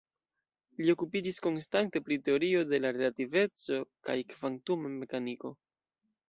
Li okupiĝis konstante pri Teorio de la relativeco kaj kvantuma mekaniko.